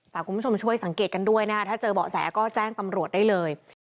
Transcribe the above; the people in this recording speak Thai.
คุณผู้ชมช่วยสังเกตกันด้วยนะถ้าเจอเบาะแสก็แจ้งตำรวจได้เลย